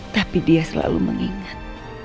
tapi dia selalu mengingat